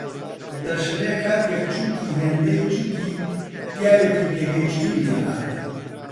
دەشڵێ کاتێک چووکی هێندەی چووکی پیاوێکی پێگەیشتووی لێهات